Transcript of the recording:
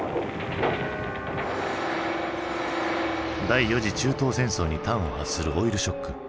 第４次中東戦争に端を発するオイルショック。